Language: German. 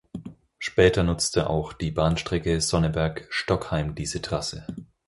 Später nutzte auch die Bahnstrecke Sonneberg–Stockheim diese Trasse.